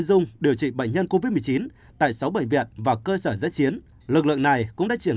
dung điều trị bệnh nhân covid một mươi chín tại sáu bệnh viện và cơ sở giã chiến lực lượng này cũng đã triển